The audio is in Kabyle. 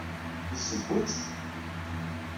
Yesseww-itt?